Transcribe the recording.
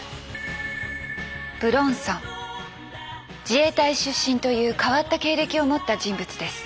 自衛隊出身という変わった経歴を持った人物です。